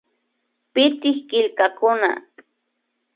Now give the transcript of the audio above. Pitik killkakuna